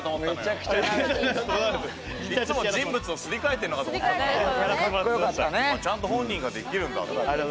人物をすり替えてるのかと思ってたからちゃんと本人ができるんだって。